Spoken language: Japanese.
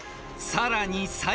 ［さらには］